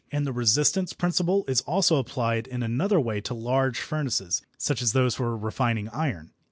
And the "resistance" principle is also applied in another way to large furnaces, such as those for refining iron.